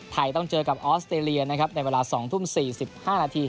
ต้องเจอกับออสเตรเลียนะครับในเวลา๒ทุ่ม๔๕นาที